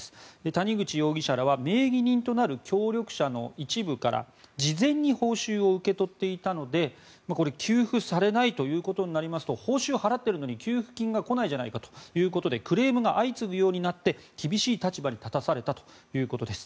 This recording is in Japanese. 谷口容疑者らは名義人となる協力者の一部から事前に報酬を受け取っていたので給付されないということになりますと報酬を払っているのに給付金が来ないじゃないかということでクレームが相次ぐようになって厳しい立場に立たされたということです。